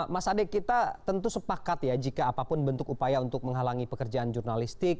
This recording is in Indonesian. mas ade kita tentu sepakat ya jika apapun bentuk upaya untuk menghalangi pekerjaan jurnalistik